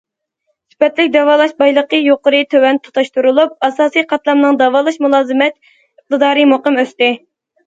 سۈپەتلىك داۋالاش بايلىقى يۇقىرى- تۆۋەن تۇتاشتۇرۇلۇپ، ئاساسىي قاتلامنىڭ داۋالاش مۇلازىمەت ئىقتىدارى مۇقىم ئۆستى.